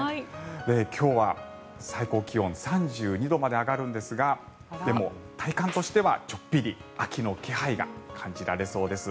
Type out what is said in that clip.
今日は最高気温３２度まで上がるんですがでも、体感としてはちょっぴり秋の気配が感じられそうです。